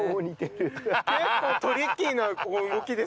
結構トリッキーな動きですよ。